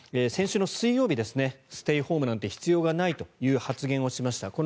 先週水曜日、ステイホームなんて必要ないという発言をしました。